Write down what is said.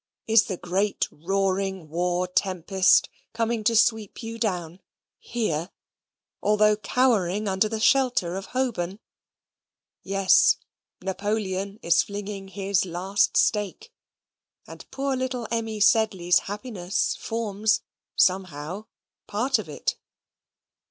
is the great roaring war tempest coming to sweep you down, here, although cowering under the shelter of Holborn? Yes; Napoleon is flinging his last stake, and poor little Emmy Sedley's happiness forms, somehow, part of it.